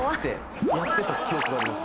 やってた記憶があります。